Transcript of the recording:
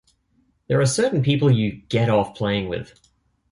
There are certain people you "get off" playing with.